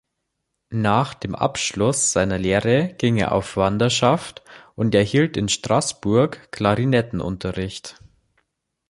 Nach dem Abschluss seiner Lehre ging er auf Wanderschaft und erhielt in Straßburg Klarinettenunterricht.